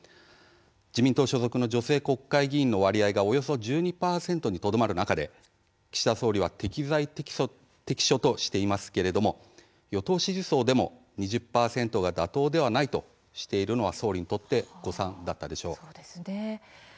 自民党所属の女性国会議員の割合が、およそ１２％にとどまる中で、岸田総理は適材適所としていますけれども与党支持層でも２０％が「妥当ではない」としているのは総理にとって誤算だったでしょう。